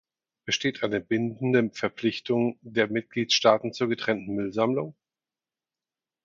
Besteht eine bindende Verpflichtung der Mitgliedstaaten zur getrennten Müllsammlung?